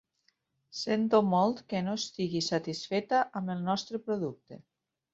Sento molt que no estigui satisfeta amb el nostre producte.